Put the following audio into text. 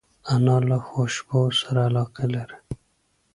انا له خوشبو سره علاقه لري